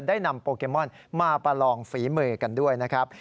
ได้นำโปเกมอนมาประลองฝีมือกันด้วยนะครับ